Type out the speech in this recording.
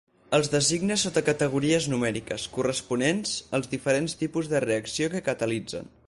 Els designa sota categories numèriques, corresponents als diferents tipus de reacció que catalitzen.